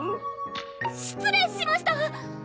失礼しました！